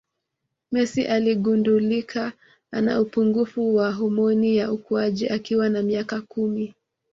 Messi aligundulika ana upungufu wa homoni ya ukuaji akiwa na miaka kumi